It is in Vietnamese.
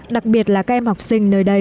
đặc biệt là các em học sinh nơi đây